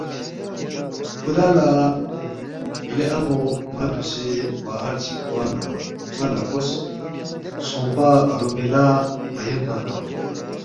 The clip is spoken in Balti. خُدا لہ مِلی ان٘و ن٘ا دوسے باہر چِک گوا نہ ن٘ا لہ کوس، ژھونگپا رومیلہ مہ یَنما ننگ لو